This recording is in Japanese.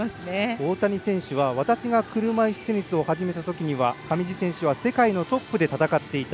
大谷選手は、私が車いすテニスを始めたときには上地選手は世界のトップで戦っていた。